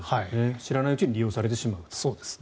知らないうちに利用されてしまう。